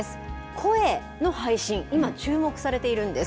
声の配信、今、注目されているんです。